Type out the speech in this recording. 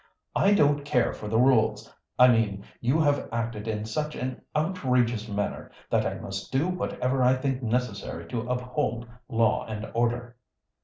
"I don't care for the rules I mean, you have acted in such an outrageous manner that I must do whatever I think necessary to uphold law and order."